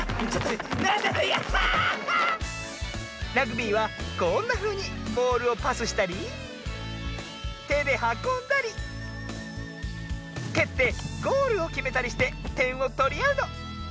ラグビーはこんなふうにボールをパスしたりてではこんだりけってゴールをきめたりしててんをとりあうの。